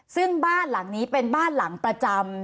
ซึ่งบ้านหลังนี้เป็นบ้านหลังประจำ